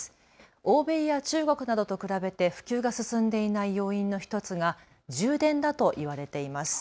欧米や中国などと比べて普及が進んでいない要因の１つが充電だと言われています。